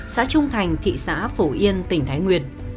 xã trung thành thị xã phổ yên tỉnh thái nguyên